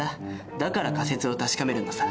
だから仮説を確かめるのさ。